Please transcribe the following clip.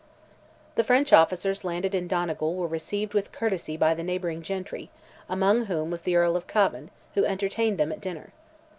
The French officers landed in Donegal were received with courtesy by the neighbouring gentry, among whom was the Earl of Cavan, who entertained them at dinner.